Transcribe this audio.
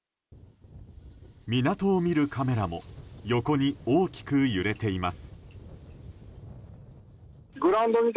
港を見るカメラも横に大きく揺れています。